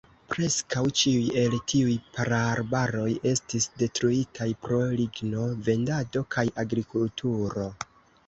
Preskaŭ ĉiuj el tiuj praarbaroj estis detruitaj pro ligno-vendado kaj agrikulturo.